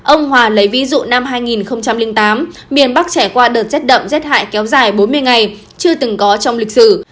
ông hòa lấy ví dụ năm hai nghìn tám miền bắc trải qua đợt rét đậm rét hại kéo dài bốn mươi ngày chưa từng có trong lịch sử